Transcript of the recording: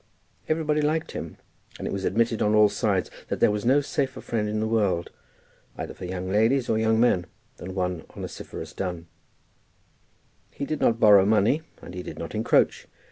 Everybody liked him, and it was admitted on all sides that there was no safer friend in the world, either for young ladies or young men, than Mr. Onesiphorus Dunn. He did not borrow money, and he did not encroach.